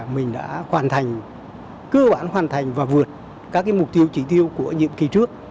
mình đã hoàn thành cơ bản hoàn thành và vượt các mục tiêu chỉ tiêu của nhiệm kỳ trước